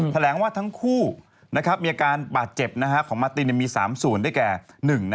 แถลงว่าทั้งคู่มีอาการบาดเจ็บของมาตินมี๓ส่วนได้แก่๑